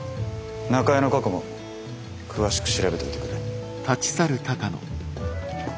中江の過去も詳しく調べといてくれ。